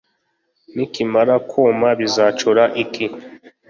nikimara kuma bizacura iki